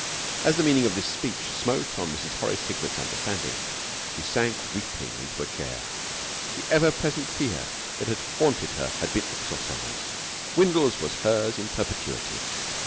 As the meaning of this speech smote on Mrs. Horace Hignett's understanding, she sank weeping into a chair. The ever present fear that had haunted her had been exorcised. Windles was hers in perpetuity.